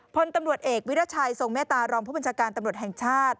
พลตำรวจเอกวิรัชัยทรงเมตตารองผู้บัญชาการตำรวจแห่งชาติ